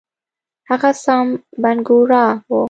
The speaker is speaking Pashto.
هغه سام بنګورا وو.